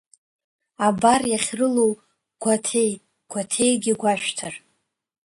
Абар, иахьрылоу Гәаҭеи, Гәаҭеигьы гәашәҭар…